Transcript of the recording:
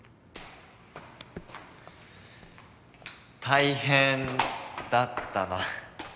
大変だったな。